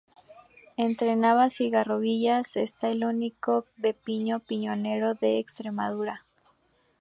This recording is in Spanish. Entre Navas y Garrovillas está el único pinar de pino piñonero de Extremadura.